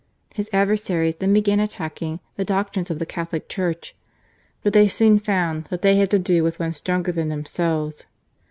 His adversaries then began attacking the doctrines of the Catholic Church ; but they soon found that they had to do with one stronger than themselves.